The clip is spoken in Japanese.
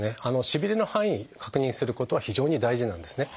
しびれの範囲確認することは非常に大事なんですね。